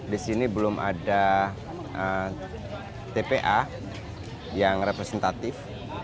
di sini belum ada tpa yang representatif